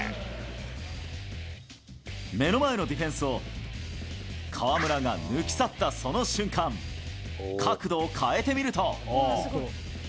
目の前のディフェンスを、河村が抜き去ったその瞬間、角度を変えて見ると。